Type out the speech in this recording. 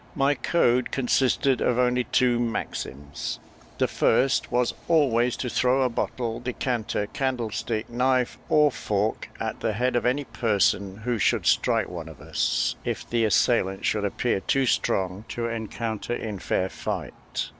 My code consisted of only two maxims: the first was always to throw a bottle, decanter, candlestick, knife, or fork, at the head of any person who should strike one of us, if the assailant should appear too strong to encounter in fair fight.